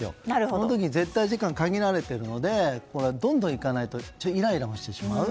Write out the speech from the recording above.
その時に、絶対時間は限られていますのでどんどんいかないとイライラしてしまう。